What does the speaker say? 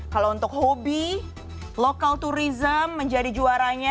kalau untuk hobi lokal turism menjadi juaranya